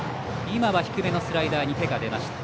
今は低めのスライダーに手が出ました。